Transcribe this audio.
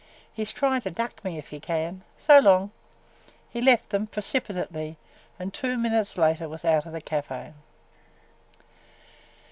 He 's tryin' to duck me – if he can! So long!" He left them precipitately and two minutes later was out of the café.